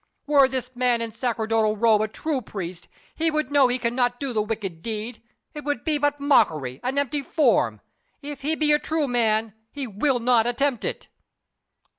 Were this man in sacerdotal robe a true priest, he would know he can not do the wicked deed. It would be but mockery an empty form. If he be a true man, he will not attempt it."